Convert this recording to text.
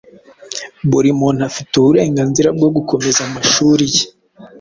Buri muntu afite uburenganzira bwo gukomeza amashuri ye